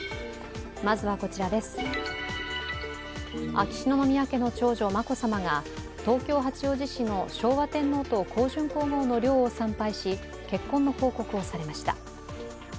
秋篠宮家の長女・眞子さまが東京・八王子市の昭和天皇と香淳皇后の陵を参拝し結婚の報告をされました。